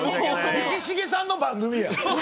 道重さんの番組や。